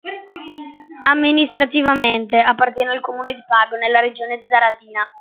Amministrativamente appartiene al comune di Pago, nella regione zaratina.